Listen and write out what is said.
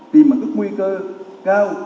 tìm mặt các nguy cơ cao